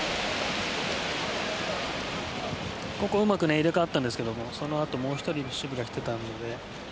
うまく入れ替わったんですけどそのあともう１人来ていたので。